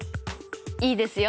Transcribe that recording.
いいですよ！